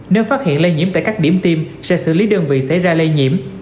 nếu phát hiện lây nhiễm tại các điểm tiêm sẽ xử lý đơn vị xảy ra lây nhiễm